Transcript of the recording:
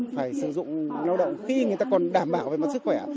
phải sử dụng lao động khi người ta còn đảm bảo về mặt sức khỏe